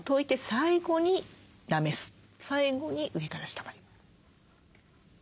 最後に上から下まで。